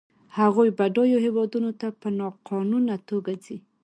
هغوی بډایو هېوادونو ته په ناقانونه توګه ځي.